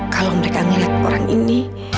kalau mereka melihat orang ini